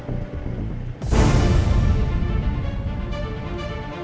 masa masa ini udah berubah